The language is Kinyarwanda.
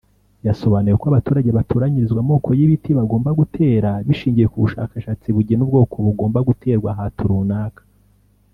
yasobanuye ko abaturage batoranyirizwa amoko y’ibiti bagomba gutera bishingiye ku bushakashatsi bugena ubwoko bugomba guterwa ahatu runaka